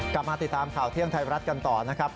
กลับมาติดตามข่าวเที่ยงไทยรัฐกันต่อนะครับ